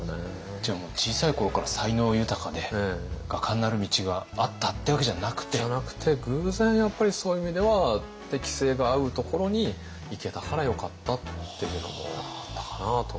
じゃあもう小さい頃から才能豊かで画家になる道があったっていうわけじゃなくて？じゃなくて偶然やっぱりそういう意味では適性が合うところに行けたからよかったっていうのもあったかなと。